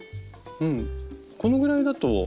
うんこのぐらいだと。